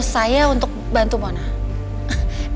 saya perlu bantuan kamu